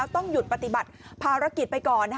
ต้องหยุดปฏิบัติภารกิจไปก่อน